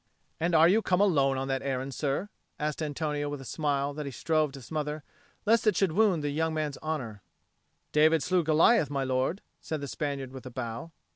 "And are you come alone on that errand, sir?" asked Antonio with a smile that he strove to smother, lest it should wound the young man's honour. "David slew Goliath, my lord," said the Spaniard with a bow.